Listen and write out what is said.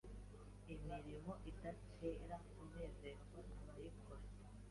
imirimo idatera kunezerwa abayikora